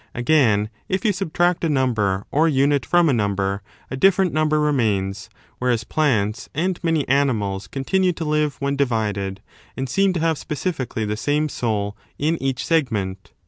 Again, if 18 you subtract a number or unit from a number, a different number remains: whereas plants and many animals continue to live when divided and seem to have specifically the same soul in each seg ment.